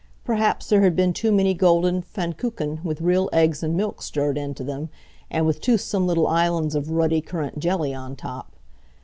Perhaps there had been too many golden Pfannkuchen with real eggs and milk stirred into them, and with toothsome little islands of ruddy currant jelly on top.